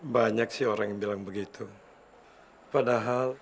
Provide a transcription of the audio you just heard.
banyak sih orang yang bilang begitu padahal